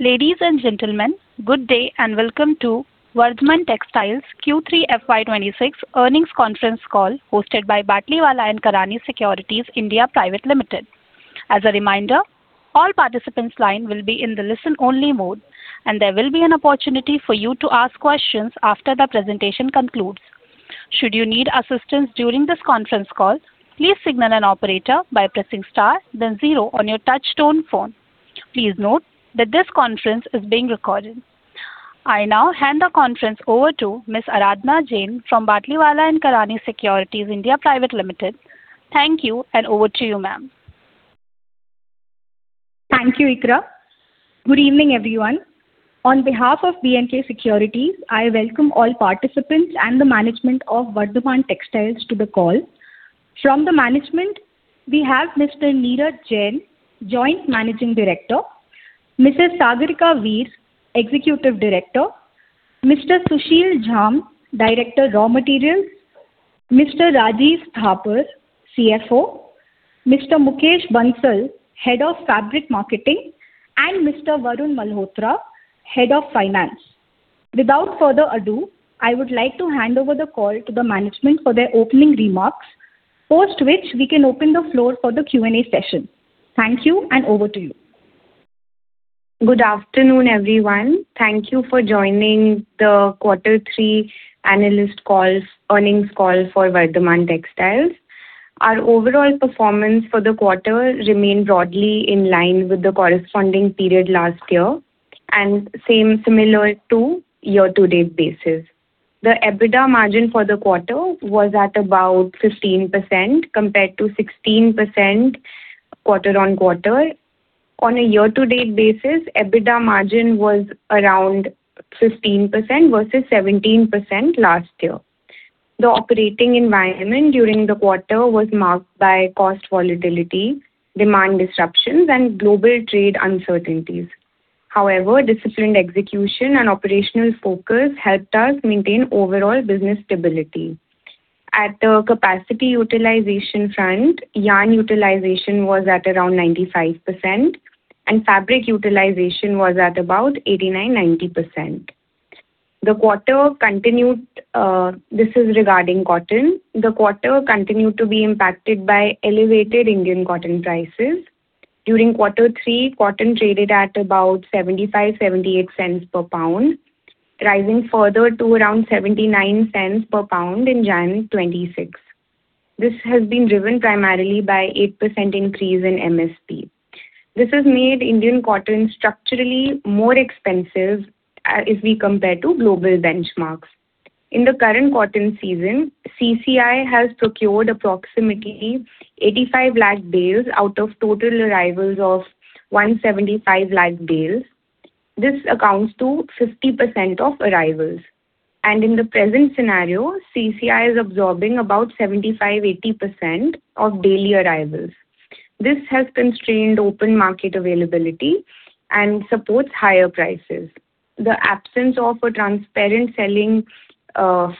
Ladies and gentlemen, good day and welcome to Vardhman Textiles Q3 FY26 earnings conference call hosted by Batlivala & Karani Securities India Pvt. Ltd. As a reminder, all participants' lines will be in the listen-only mode, and there will be an opportunity for you to ask questions after the presentation concludes. Should you need assistance during this conference call, please signal an operator by pressing star, then zero on your touch-tone phone. Please note that this conference is being recorded. I now hand the conference over to Ms. Aradhana Jain from Batlivala & Karani Securities India Pvt. Ltd. Thank you, and over to you, ma'am. Thank you, Ikra. Good evening, everyone. On behalf of B&K Securities, I welcome all participants and the management of Vardhman Textiles to the call. From the management, we have Mr. Neeraj Jain, Joint Managing Director; Mrs. Sagrika Jain, Executive Director; Mr. Sushil Jhamb, Director of Raw Materials; Mr. Rajeev Thapar, CFO; Mr. Mukesh Bansal, Head of Fabric Marketing; and Mr. Varun Malhotra, Head of Finance. Without further ado, I would like to hand over the call to the management for their opening remarks, post which we can open the floor for the Q&A session. Thank you, and over to you. Good afternoon, everyone. Thank you for joining the Quarter 3 analyst call, earnings call for Vardhman Textiles. Our overall performance for the quarter remained broadly in line with the corresponding period last year and similar to year-to-date basis. The EBITDA margin for the quarter was at about 15% compared to 16% quarter-on-quarter. On a year-to-date basis, EBITDA margin was around 15% versus 17% last year. The operating environment during the quarter was marked by cost volatility, demand disruptions, and global trade uncertainties. However, disciplined execution and operational focus helped us maintain overall business stability. At the capacity utilization front, yarn utilization was at around 95%, and fabric utilization was at about 89-90%. This is regarding cotton. The quarter continued to be impacted by elevated Indian cotton prices. During Quarter 3, cotton traded at about $0.75-$0.78 per pound, rising further to around $0.79 per pound in January 2026. This has been driven primarily by an 8% increase in MSP. This has made Indian cotton structurally more expensive if we compare to global benchmarks. In the current cotton season, CCI has procured approximately 8.5 million bales out of total arrivals of 17.5 million bales. This accounts for 50% of arrivals. In the present scenario, CCI is absorbing about 75-80% of daily arrivals. This has constrained open market availability and supports higher prices. The absence of a transparent selling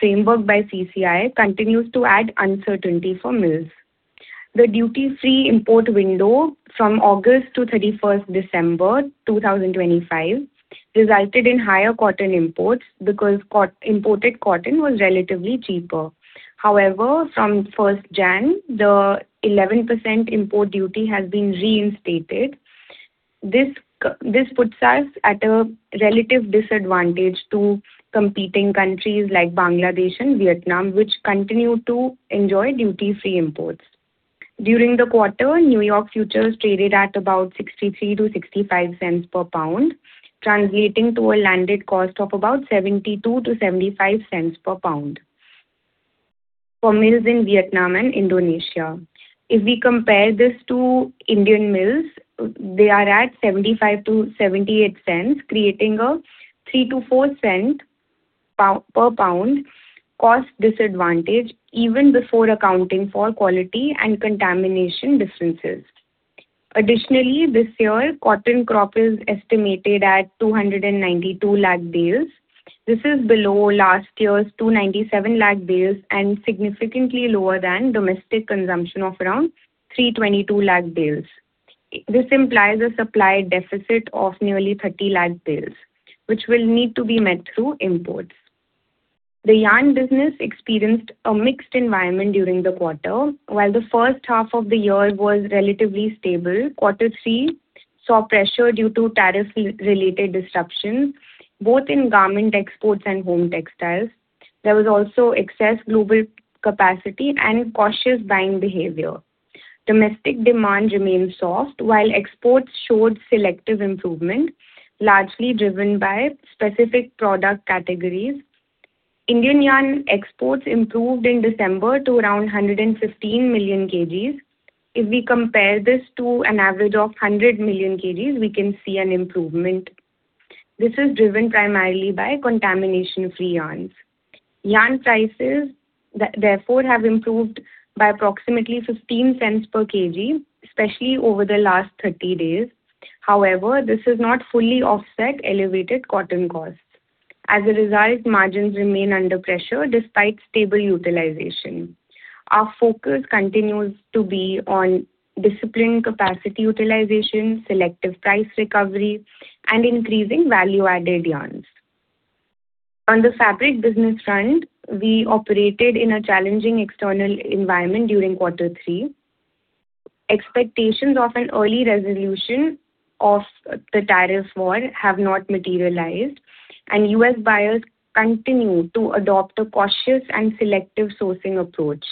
framework by CCI continues to add uncertainty for mills. The duty-free import window from August to 31st December 2025 resulted in higher cotton imports because imported cotton was relatively cheaper. However, from 1st January, the 11% import duty has been reinstated. This puts us at a relative disadvantage to competing countries like Bangladesh and Vietnam, which continue to enjoy duty-free imports. During the quarter, New York futures traded at about 63-65 cents per pound, translating to a landed cost of about 72-75 cents per pound. For mills in Vietnam and Indonesia, if we compare this to Indian mills, they are at 75-78 cents, creating a 3-4 cent per pound cost disadvantage even before accounting for quality and contamination differences. Additionally, this year, cotton crop is estimated at 29.2 million bales. This is below last year's 29.7 million bales and significantly lower than domestic consumption of around 32.2 million bales. This implies a supply deficit of nearly 3 million bales, which will need to be met through imports. The yarn business experienced a mixed environment during the quarter. While the first half of the year was relatively stable, Quarter 3 saw pressure due to tariff-related disruptions, both in garment exports and home textiles. There was also excess global capacity and cautious buying behavior. Domestic demand remained soft, while exports showed selective improvement, largely driven by specific product categories. Indian yarn exports improved in December to around 115 million kg. If we compare this to an average of 100 million kg, we can see an improvement. This is driven primarily by contamination-free yarns. Yarn prices, therefore, have improved by approximately 15 cents per kg, especially over the last 30 days. However, this has not fully offset elevated cotton costs. As a result, margins remain under pressure despite stable utilization. Our focus continues to be on disciplined capacity utilization, selective price recovery, and increasing value-added yarns. On the fabric business front, we operated in a challenging external environment during Quarter 3. Expectations of an early resolution of the tariff war have not materialized, and U.S. buyers continue to adopt a cautious and selective sourcing approach.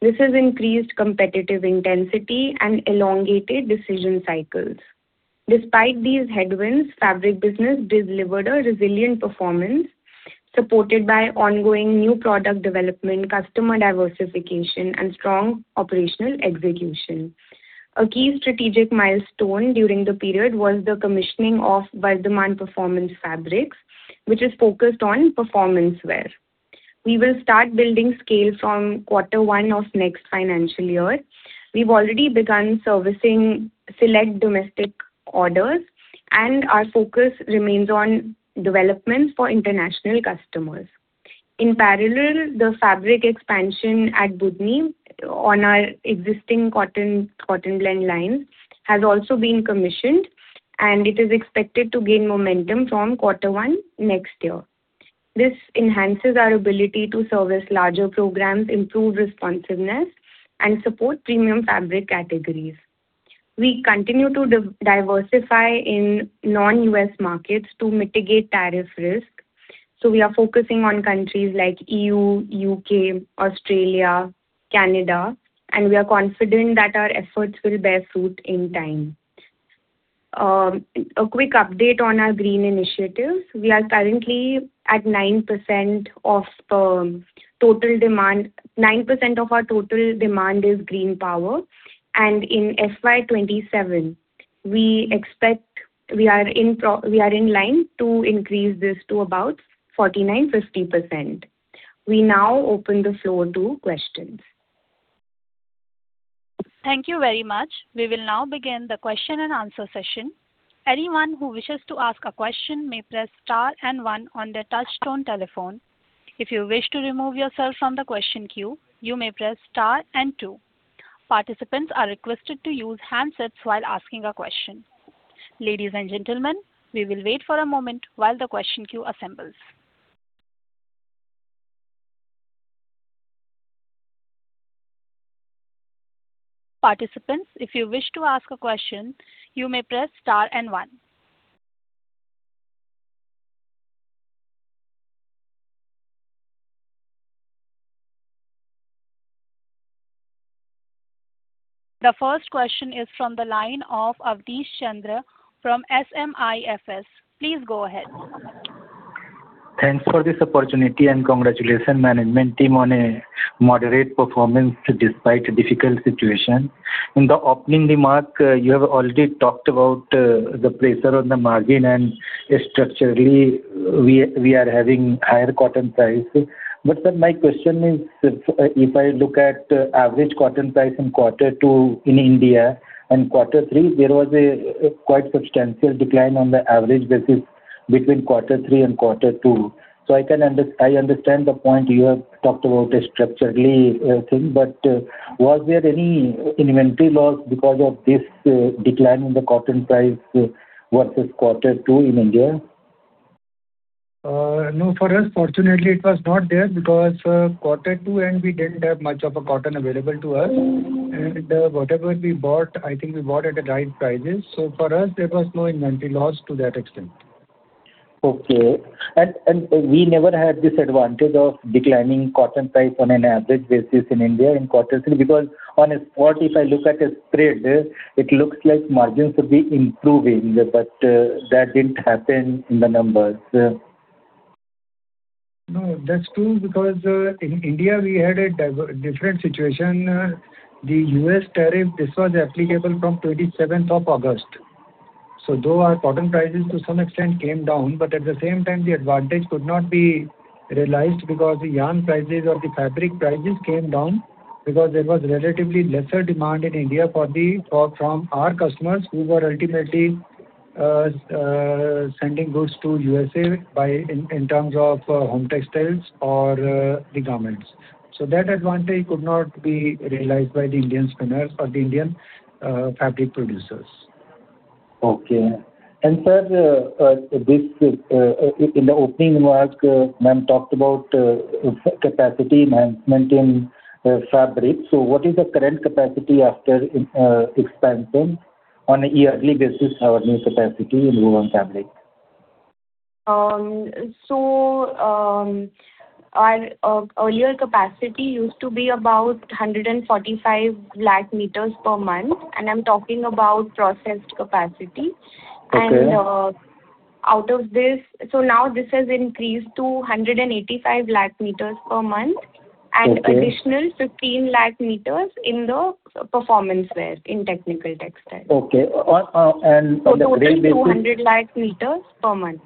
This has increased competitive intensity and elongated decision cycles. Despite these headwinds, fabric business delivered a resilient performance, supported by ongoing new product development, customer diversification, and strong operational execution. A key strategic milestone during the period was the commissioning of Vardhman Performance Fabrics, which is focused on performance wear. We will start building scale from Quarter 1 of next financial year. We've already begun servicing select domestic orders, and our focus remains on developments for international customers. In parallel, the fabric expansion at Budni on our existing cotton blend lines has also been commissioned, and it is expected to gain momentum from Quarter 1 next year. This enhances our ability to service larger programs, improve responsiveness, and support premium fabric categories. We continue to diversify in non-US markets to mitigate tariff risk. We are focusing on countries like EU, U.K., Australia, Canada, and we are confident that our efforts will bear fruit in time. A quick update on our green initiatives. We are currently at 9% of our total demand is green power. In FY2027, we expect we are in line to increase this to about 49-50%. We now open the floor to questions. Thank you very much. We will now begin the question-and-answer session. Anyone who wishes to ask a question may press star and one on the touch-tone telephone. If you wish to remove yourself from the question queue, you may press star and two. Participants are requested to use handsets while asking a question. Ladies and gentlemen, we will wait for a moment while the question queue assembles. Participants, if you wish to ask a question, you may press star and one. The first question is from the line of Awanish Chandra from SMIFS Limited. Please go ahead. Thanks for this opportunity and congratulations management team on a moderate performance despite difficult situation. In the opening remark, you have already talked about the pressure on the margin, and structurally, we are having higher cotton prices. My question is, if I look at average cotton price in Quarter 2 in India and Quarter 3, there was a quite substantial decline on the average basis between Quarter 3 and Quarter 2. I understand the point you have talked about a structurally thing, but was there any inventory loss because of this decline in the cotton price versus Quarter 2 in India? No, for us, fortunately, it was not there because quarter two, we did not have much of a cotton available to us. And whatever we bought, I think we bought at the right prices. For us, there was no inventory loss to that extent. Okay. We never had this advantage of declining cotton price on an average basis in India in quarter three because on a spot, if I look at a spread, it looks like margins would be improving, but that did not happen in the numbers. No, that's true because in India, we had a different situation. The U.S. tariff, this was applicable from 27th of August. Though our cotton prices to some extent came down, at the same time, the advantage could not be realized because the yarn prices or the fabric prices came down because there was relatively lesser demand in India from our customers who were ultimately sending goods to the U.S. in terms of home textiles or the garments. That advantage could not be realized by the Indian spinners or the Indian fabric producers. Okay. Sir, in the opening remark, ma'am talked about capacity enhancement in fabric. What is the current capacity after expansion on a yearly basis of our new capacity in woven fabric? Our earlier capacity used to be about 145 million meters per month, and I'm talking about processed capacity. Out of this, this has increased to 185 million meters per month and an additional 15 million meters in the performance wear in technical textiles. Okay. On the gray basis? That's 200 lakh meters per month.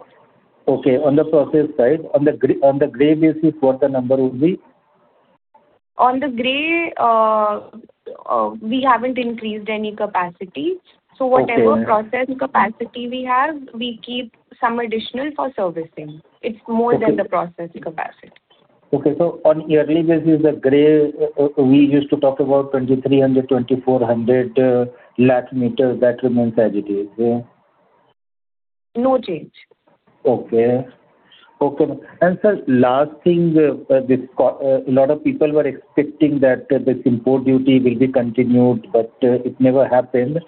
Okay. On the processed side, on the gray basis, what the number would be? On the gray, we haven't increased any capacity. Whatever processed capacity we have, we keep some additional for servicing. It's more than the processed capacity. Okay. On a yearly basis, the gray, we used to talk about 2,300-2,400 lakh meters. That remains as it is. No change. Okay. Okay. Sir, last thing, a lot of people were expecting that this import duty will be continued, but it never happened.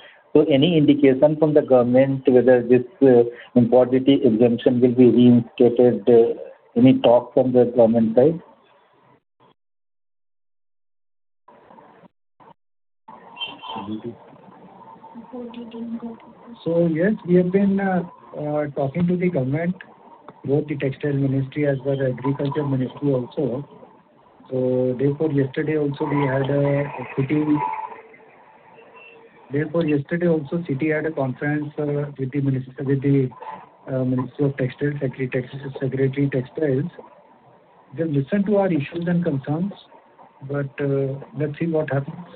Any indication from the government whether this import duty exemption will be reinstated? Any talk from the government side? Yes, we have been talking to the government, both the Textile Ministry as well as Agriculture Ministry also. Therefore, yesterday also, CITI had a conference with the Secretary of Textiles. They have listened to our issues and concerns, but let's see what happens.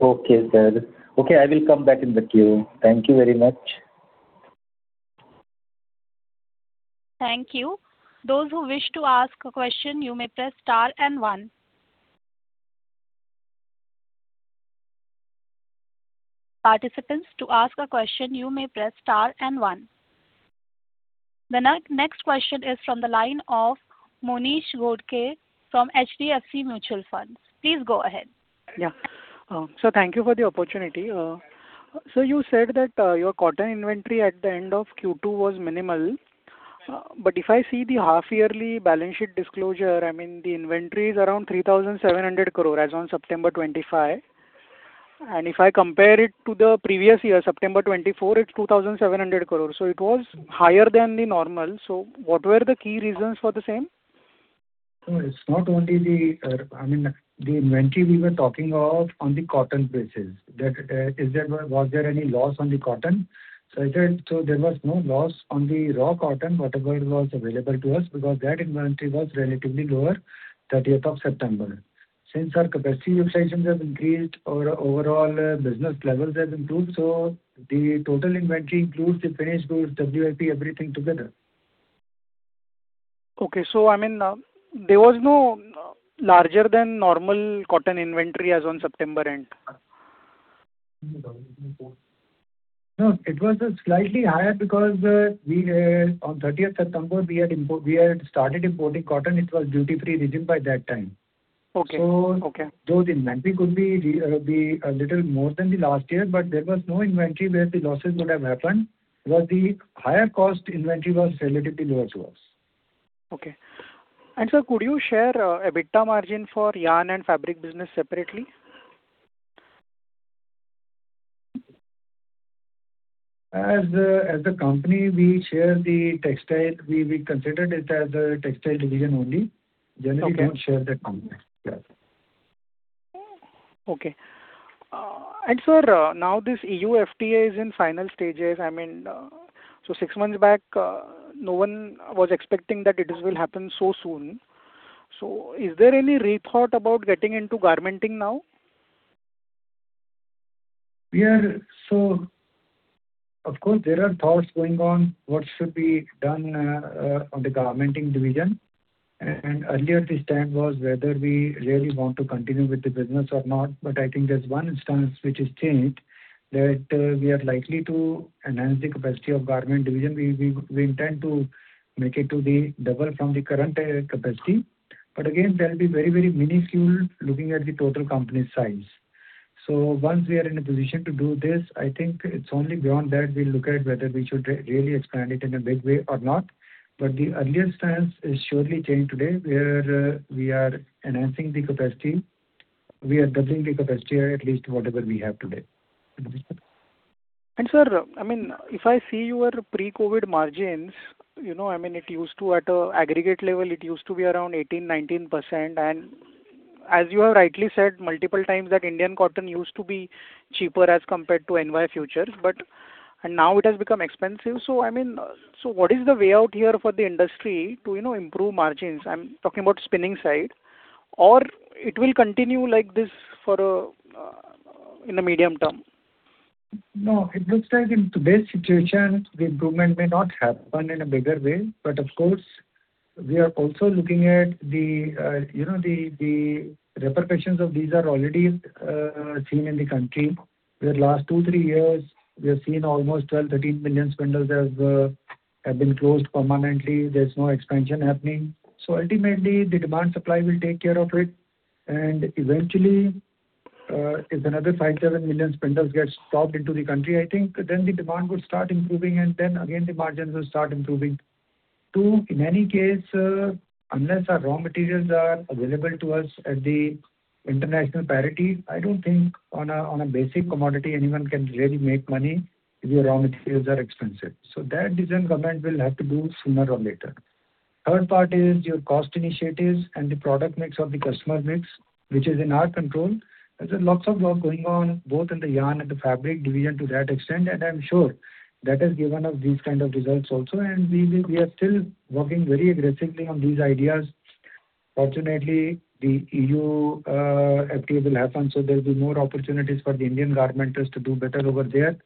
Okay, sir. Okay, I will come back in the queue. Thank you very much. Thank you. Those who wish to ask a question, you may press star and one. Participants, to ask a question, you may press star and one. The next question is from the line of Monish Ghodke from HDFC Mutual Fund. Please go ahead. Yeah. Thank you for the opportunity. You said that your cotton inventory at the end of Q2 was minimal. If I see the half-yearly balance sheet disclosure, the inventory is around 37 billion as of September 25. If I compare it to the previous year, September 24, it is 27 billion. It was higher than normal. What were the key reasons for the same? No, it's not only the, I mean, the inventory we were talking of on the cotton basis. Was there any loss on the cotton? I said, there was no loss on the raw cotton, whatever was available to us, because that inventory was relatively lower on 30th of September. Since our capacity inflations have increased, overall business levels have improved. The total inventory includes the finished goods, WIP, everything together. Okay. So I mean, there was no larger than normal cotton inventory as of September end? No, it was slightly higher because on 30 September, we had started importing cotton. It was duty-free region by that time. So those inventory could be a little more than the last year, but there was no inventory where the losses would have happened. The higher cost inventory was relatively lower to us. Okay. Sir, could you share EBITDA margin for yarn and fabric business separately? As a company, we share the textile. We considered it as a textile division only. Generally, we do not share the company. Yes. Okay. Sir, now this EU FTA is in final stages. I mean, six months back, no one was expecting that it will happen so soon. Is there any rethought about getting into garmenting now? Of course, there are thoughts going on what should be done on the garmenting division. Earlier at this time was whether we really want to continue with the business or not. I think there is one instance which has changed that we are likely to enhance the capacity of the garment division. We intend to make it double from the current capacity. Again, it will be very, very minuscule looking at the total company size. Once we are in a position to do this, I think it is only beyond that we look at whether we should really expand it in a big way or not. The earlier stance is surely changed today where we are enhancing the capacity. We are doubling the capacity, at least whatever we have today. Sir, I mean, if I see your pre-COVID margins, I mean, it used to, at an aggregate level, it used to be around 18-19%. As you have rightly said multiple times that Indian cotton used to be cheaper as compared to NY Futures, but now it has become expensive. I mean, what is the way out here for the industry to improve margins? I'm talking about spinning side. Will it continue like this in the medium term? No, it looks like in today's situation, the improvement may not happen in a bigger way. Of course, we are also looking at the repercussions of these, which are already seen in the country. The last two to three years, we have seen almost 12-13 million spindles have been closed permanently. There is no expansion happening. Ultimately, the demand-supply will take care of it. Eventually, if another 5-7 million spindles get stopped in the country, I think then the demand would start improving, and then again, the margins will start improving. Two, in any case, unless our raw materials are available to us at the international parity, I do not think on a basic commodity anyone can really make money if your raw materials are expensive. That decision the government will have to do sooner or later. Third part is your cost initiatives and the product mix of the customer mix, which is in our control. There is lots of work going on both in the yarn and the fabric division to that extent. I am sure that has given us these kind of results also. We are still working very aggressively on these ideas. Fortunately, the EU FTA will happen, so there will be more opportunities for the Indian garmenters to do better over there.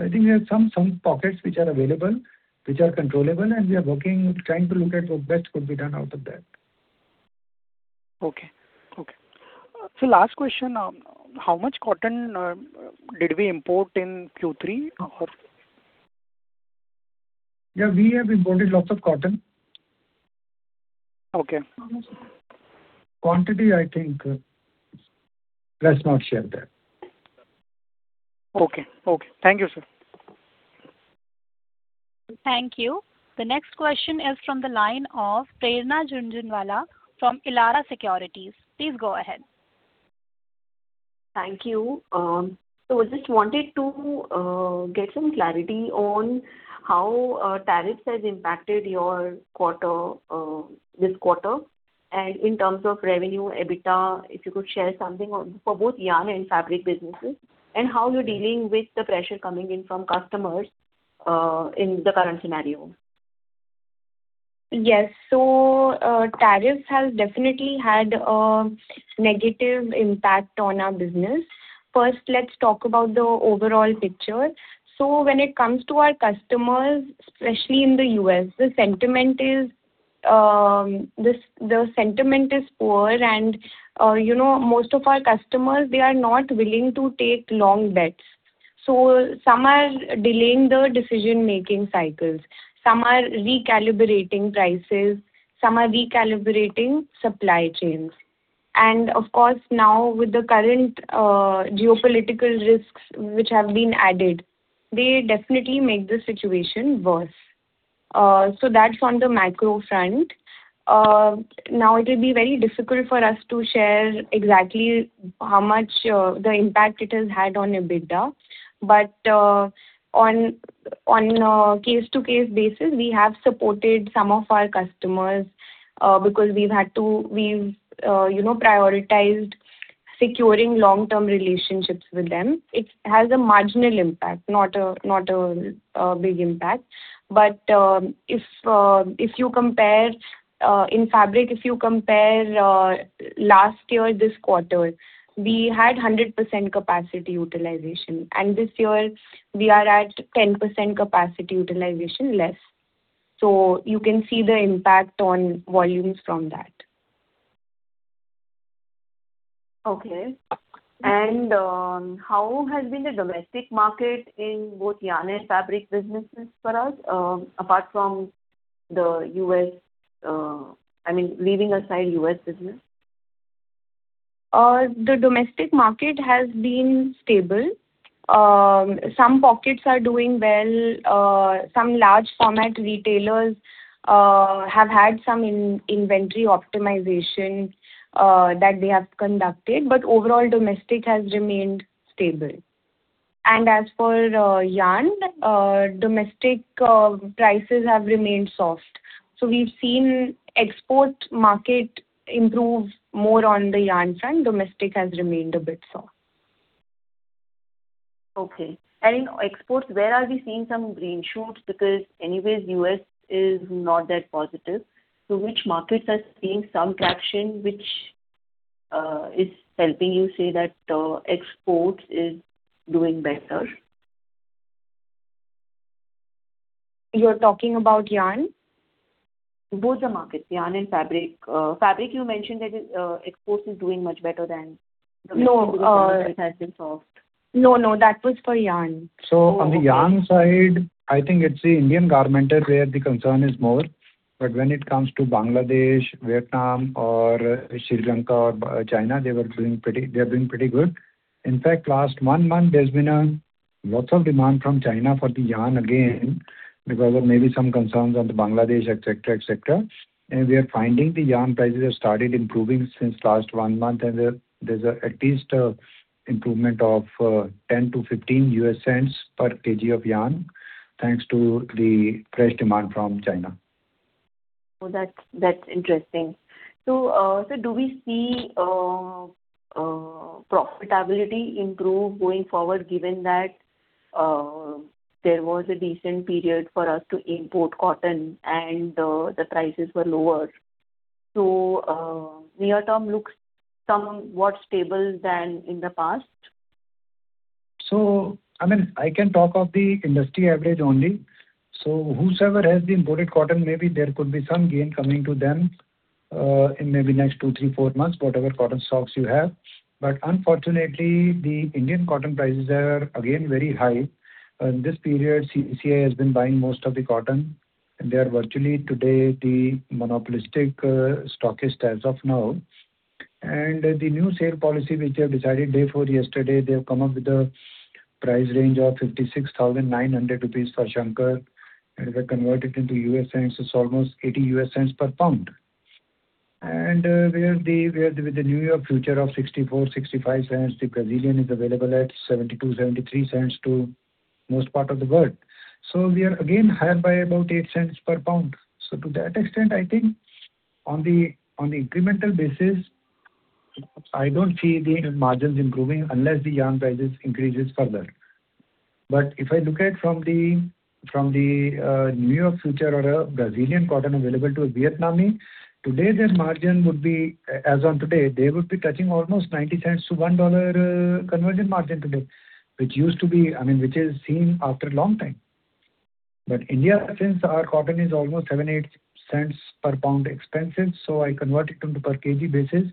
I think we have some pockets which are available, which are controllable. We are working, trying to look at what best could be done out of that. Okay. Okay. Last question, how much cotton did we import in Q3? Yeah, we have imported lots of cotton. Okay. Quantity, I think, let's not share that. Okay. Okay. Thank you, sir. Thank you. The next question is from the line of Prerna Jhunjhunwala from Elara Securities. Please go ahead. Thank you. We just wanted to get some clarity on how tariffs have impacted this quarter. In terms of revenue, EBITDA, if you could share something for both yarn and fabric businesses, and how you're dealing with the pressure coming in from customers in the current scenario. Yes. Tariffs have definitely had a negative impact on our business. First, let's talk about the overall picture. When it comes to our customers, especially in the U.S., the sentiment is poor. Most of our customers are not willing to take long bets. Some are delaying the decision-making cycles. Some are recalibrating prices. Some are recalibrating supply chains. Of course, now with the current geopolitical risks which have been added, they definitely make the situation worse. That's on the macro front. Now, it will be very difficult for us to share exactly how much the impact it has had on EBITDA. On a case-to-case basis, we have supported some of our customers because we've had to, we've prioritized securing long-term relationships with them. It has a marginal impact, not a big impact. If you compare in fabric, if you compare last year this quarter, we had 100% capacity utilization. This year, we are at 10% capacity utilization less. You can see the impact on volumes from that. Okay. How has been the domestic market in both yarn and fabric businesses for us, apart from the U.S.? I mean, leaving aside U.S. business. The domestic market has been stable. Some pockets are doing well. Some large-format retailers have had some inventory optimization that they have conducted. Overall, domestic has remained stable. As for yarn, domestic prices have remained soft. We have seen export market improve more on the yarn front. Domestic has remained a bit soft. Okay. Exports, where are we seeing some green shoots? Because anyways, U.S. is not that positive. Which markets are seeing some traction, which is helping you say that exports is doing better? You are talking about yarn? Both the markets, yarn and fabric. Fabric, you mentioned that exports is doing much better than domestic. No, it has been soft. No, no. That was for yarn. On the yarn side, I think it's the Indian garmenter where the concern is more. When it comes to Bangladesh, Vietnam, Sri Lanka, or China, they are doing pretty good. In fact, last one month, there's been lots of demand from China for the yarn again because of maybe some concerns on Bangladesh, etc., etc. We are finding the yarn prices have started improving since last one month. There is at least improvement of 10-15 US cents per kg of yarn, thanks to the fresh demand from China. That's interesting. Do we see profitability improve going forward, given that there was a decent period for us to import cotton and the prices were lower? Near-term looks somewhat stable than in the past? I mean, I can talk of the industry average only. Whosoever has the imported cotton, maybe there could be some gain coming to them in maybe next two, three, four months, whatever cotton stocks you have. Unfortunately, the Indian cotton prices are again very high. In this period, CCI has been buying most of the cotton. They are virtually today the monopolistic stockist as of now. The new sale policy, which they have decided day before yesterday, they have come up with a price range of 56,900 rupees for Shankar. If I convert it into US cents, it is almost 80 US cents per pound. With the New York future of 64-65 cents, the Brazilian is available at 72-73 cents to most part of the world. We are again higher by about 8 cents per pound. To that extent, I think on the incremental basis, I don't see the margins improving unless the yarn prices increases further. If I look at from the New York future or a Brazilian cotton available to a Vietnamese, today their margin would be as on today, they would be touching almost 90 cents to $1 conversion margin today, which used to be, I mean, which is seen after a long time. India, since our cotton is almost 78 cents per pound expensive, so I convert it into per kg basis,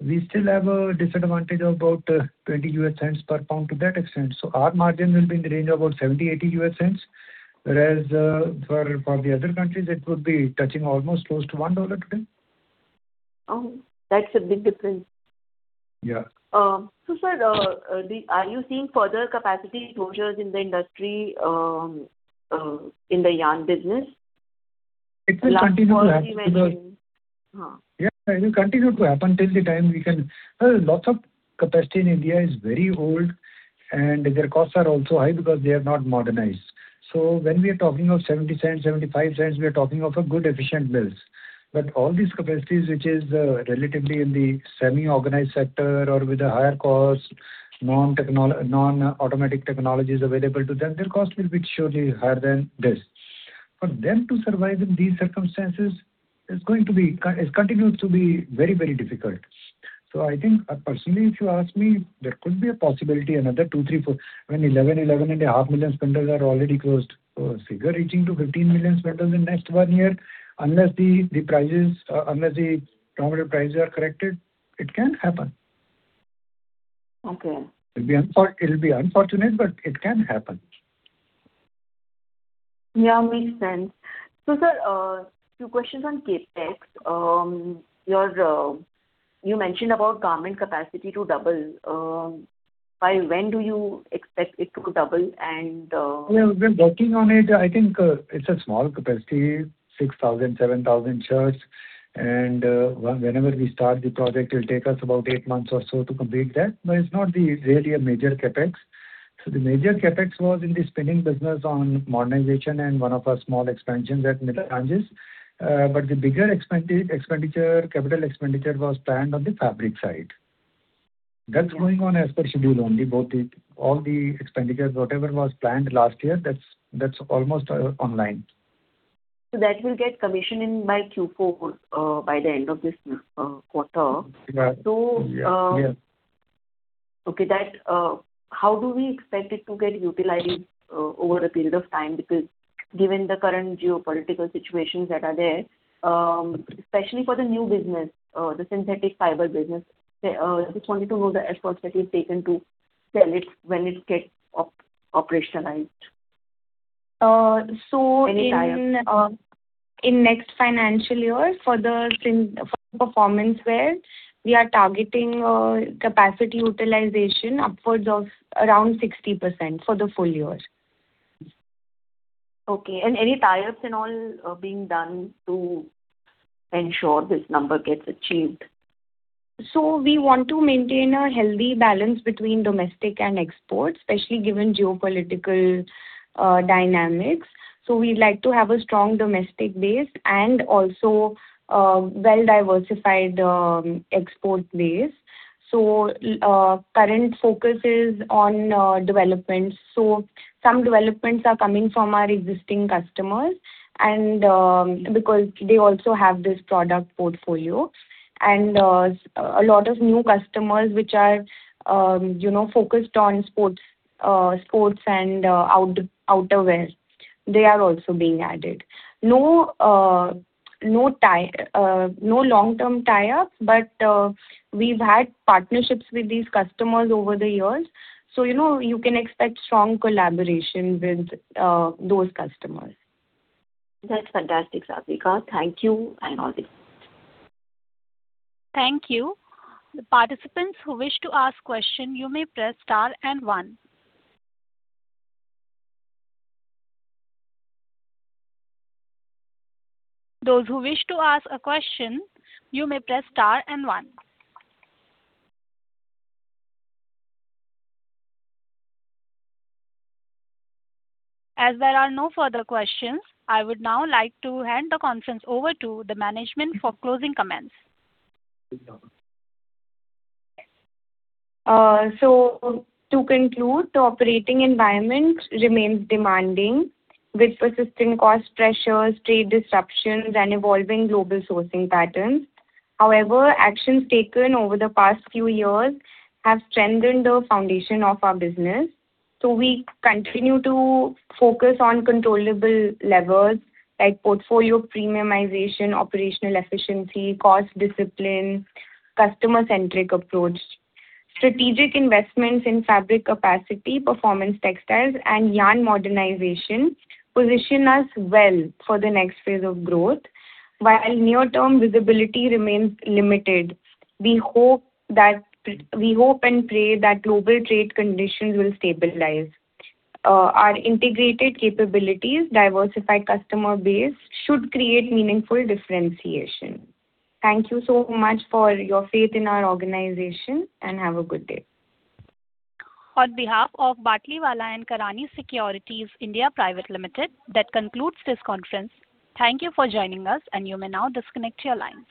we still have a disadvantage of about 20 US cents per pound to that extent. Our margin will be in the range of about 70-80 US cents. Whereas for the other countries, it would be touching almost close to $1 today. Oh, that's a big difference. Yeah. Sir, are you seeing further capacity closures in the industry, in the yarn business? It will continue to happen. Yeah, it will continue to happen till the time we can. Lots of capacity in India is very old, and their costs are also high because they are not modernized. When we are talking of 70 cents, 75 cents, we are talking of good efficient mills. All these capacities, which are relatively in the semi-organized sector or with a higher cost, non-automatic technologies available to them, their cost will be surely higher than this. For them to survive in these circumstances, it continues to be very, very difficult. I think personally, if you ask me, there could be a possibility another two, three, four, when 11, 11 and a half million spindles are already closed, figure reaching to 15 million spindles in next one year, unless the prices, unless the normal prices are corrected, it can happen. Okay. It will be unfortunate, but it can happen. Yeah, makes sense. Sir, a few questions on CapEx. You mentioned about garment capacity to double. By when do you expect it to double? We're working on it. I think it's a small capacity, 6,000-7,000 shirts. Whenever we start the project, it will take us about eight months or so to complete that. It's not really a major CapEx. The major CapEx was in the spinning business on modernization and one of our small expansions at Melanges. The bigger expenditure, capital expenditure, was planned on the fabric side. That's going on as per schedule only. All the expenditure, whatever was planned last year, that's almost online. That will get commissioned by Q4, by the end of this quarter. Yeah. Okay. How do we expect it to get utilized over a period of time? Because given the current geopolitical situations that are there, especially for the new business, the synthetic fiber business, I just wanted to know the efforts that you've taken to sell it when it gets operationalized. In. Any time. In next financial year for the performance wear, we are targeting capacity utilization upwards of around 60% for the full year. Okay. Any targets and all being done to ensure this number gets achieved? We want to maintain a healthy balance between domestic and export, especially given geopolitical dynamics. We would like to have a strong domestic base and also well-diversified export base. Current focus is on developments. Some developments are coming from our existing customers because they also have this product portfolio. A lot of new customers, which are focused on sports and outerwear, they are also being added. No long-term tie-up, but we have had partnerships with these customers over the years. You can expect strong collaboration with those customers. That is fantastic, Sagrika. Thank you and all the. Thank you. The participants who wish to ask questions, you may press star and one. Those who wish to ask a question, you may press star and one. As there are no further questions, I would now like to hand the conference over to the management for closing comments. To conclude, the operating environment remains demanding with persistent cost pressures, trade disruptions, and evolving global sourcing patterns. However, actions taken over the past few years have strengthened the foundation of our business. We continue to focus on controllable levers like portfolio premiumization, operational efficiency, cost discipline, and a customer-centric approach. Strategic investments in fabric capacity, performance textiles, and yarn modernization position us well for the next phase of growth. While near-term visibility remains limited, we hope and pray that global trade conditions will stabilize. Our integrated capabilities and diversified customer base should create meaningful differentiation. Thank you so much for your faith in our organization and have a good day. On behalf of Batlivala & Karani Securities India Pvt. Ltd., that concludes this conference. Thank you for joining us, and you may now disconnect your lines.